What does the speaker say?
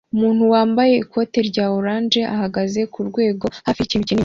Umuntu wambaye ikoti rya orange ahagaze kurwego hafi yikintu kinini